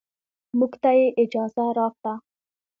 موږ ته يې اجازه راکړه.